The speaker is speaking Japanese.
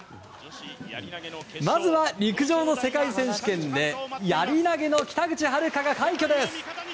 まずは陸上の世界選手権でやり投げの北口榛花が快挙です。